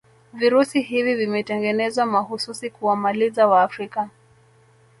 virusi hivi vimetengenezwa mahususi kuwamaliza waafrika